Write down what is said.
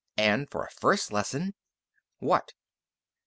And for a first lesson " "What?"